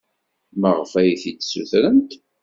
Maɣef ay t-id-ssutrent?